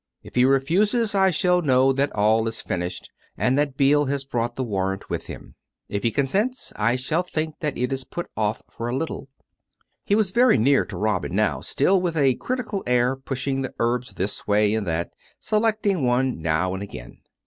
If he refuses I shall know that all is finished, and that Beale has brought the warrant with him. ... If he consents I shall think that it is put off for a little. ..." He was very near to Robin now, still, with a critical air pushing the herbs this way and that, selecting one now and again.